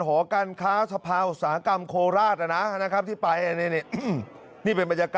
หอการค้าสภาสสโคลาศที่ไป